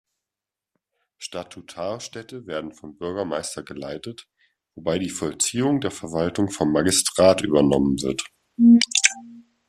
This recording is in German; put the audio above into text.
Statutarstädte werden vom Bürgermeister geleitet, wobei die Vollziehung der Verwaltung vom Magistrat übernommen wird.